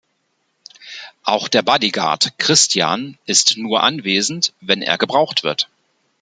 Auch der Bodyguard, Christian, ist nur anwesend, wenn er gebraucht wird.